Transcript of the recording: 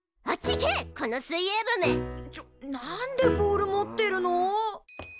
ちょなんでボール持ってるの？